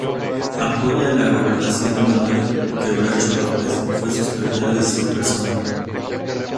Apoyó la gobernación de Manuel "Quebracho" López, y fue su secretario y asesor personal.